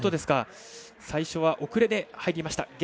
最初は遅れて入りました。